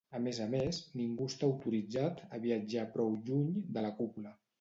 A més a més, ningú està autoritzat a viatjar prou lluny de la cúpula.